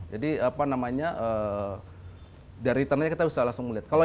jadi apa namanya dari return nya kita bisa langsung melihat